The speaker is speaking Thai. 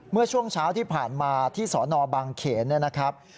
เมื่อช่วงเช้าที่ผ่านมาที่สนบางเขนเนี่ยนะครับ